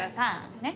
ねっ。